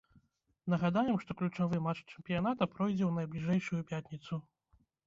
Нагадаем, што ключавы матч чэмпіяната пройдзе ў найбліжэйшую пятніцу.